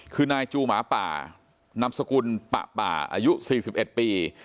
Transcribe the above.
คือนายจูหมาป่านำสกุลปะป่าอายุ๔๑ปี